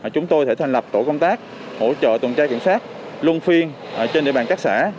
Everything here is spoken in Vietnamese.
chúng tôi sẽ thành lập tổ công tác hỗ trợ tuần trai cảnh sát lung phiên trên địa bàn các xã